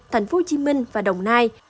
thành phố hồ chí minh và đồng nai